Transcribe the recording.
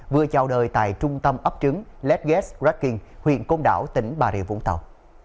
vừa chào đời tại trung tâm ấp trứng ledgesk ratkin huyện côn đảo tỉnh bà rịa vũng tàu